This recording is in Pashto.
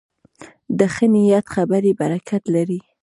د ښه نیت خبرې برکت لري